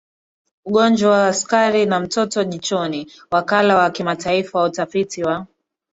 ugonjwa wa sukari na mtoto jichoni Wakala wa Kimataifa wa Utafiti wa